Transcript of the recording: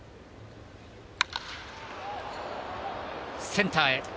センターへ。